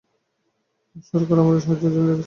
সরকার আমাদের সাহায্যের জন্য ডেকেছে।